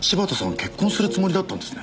結婚するつもりだったんですね。